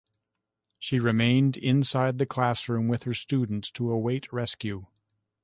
She remained inside the classroom with her students to await rescue.